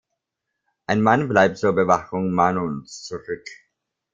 Ein Mann bleibt zur Bewachung Manons zurück.